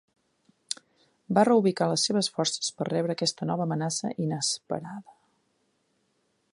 Va reubicar les seves forces per rebre aquesta nova amenaça inesperada.